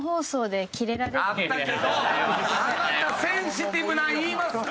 あなたセンシティブなん言いますね。